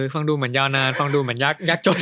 ฟังดูเหมือนยาวนานฟังดูเหมือนยากจน